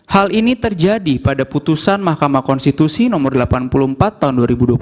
hal ini terjadi pada putusan mahkamah konstitusi no delapan puluh empat tahun dua ribu dua puluh